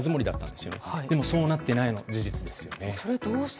でもそうなっていない事実ですね。